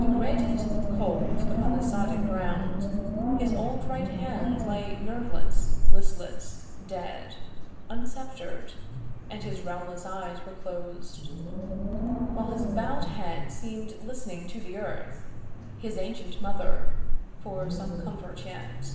Degraded, cold, upon the sodden ground His old right hand lay nerveless, listless, dead, Unsceptred; and his realmless eyes were clos'd, While his bow'd head seem'd listening to the Earth, His ancient mother, for some comfort yet.